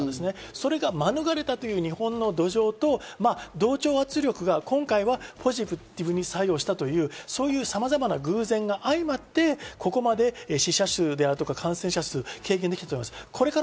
それが免れたという日本の土壌と同調圧力が今回はポジティブに作用したというさまざまな偶然が相まって、ここまで死者数であるとか、感染者数が軽減できた。